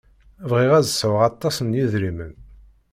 Bɣiɣ ad sɛuɣ aṭas n yedrimen.